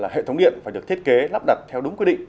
hệ thống điện phải được thiết kế lắp đặt theo đúng quy định